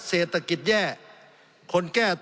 สงบจนจะตายหมดแล้วครับ